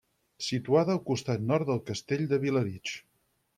Situada al costat nord del castell de Vilarig.